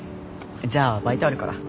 じゃあバイトあるから。